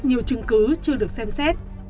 nhiều chứng cứ chưa được xem xét